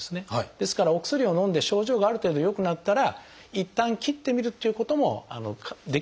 ですからお薬をのんで症状がある程度よくなったらいったん切ってみるっていうこともできる方も結構いらっしゃいます。